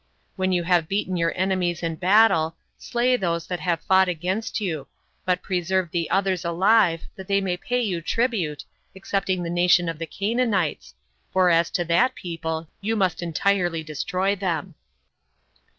When you have beaten your enemies in battle, slay those that have fought against you; but preserve the others alive, that they may pay you tribute, excepting the nation of the Canaanites; for as to that people, you must entirely destroy them.